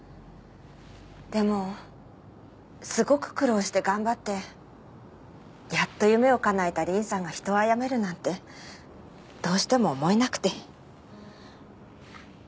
でもすごく苦労して頑張ってやっと夢をかなえた凛さんが人を殺めるなんてどうしても思えなくて。